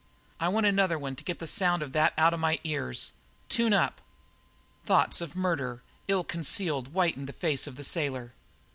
I want another one to get the sound of that out of my ears. Tune up!" Thoughts of murder, ill concealed, whitened the face of the sailor.